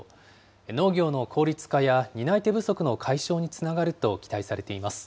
農業の効率化や担い手不足の解消につながると期待されています。